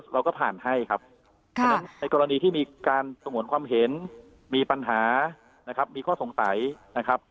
เราก็ผ่านให้ครับฉะนั้นในกรณีที่มีการสงวนความเห็นมีปัญหานะครับมีข้อสงสัยนะครับ